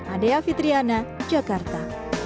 adea fitriana jakarta